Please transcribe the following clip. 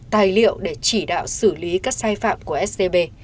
tài liệu để chỉ đạo xử lý các sai phạm của scb